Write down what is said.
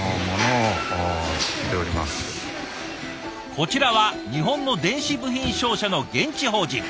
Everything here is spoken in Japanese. こちらは日本の電子部品商社の現地法人。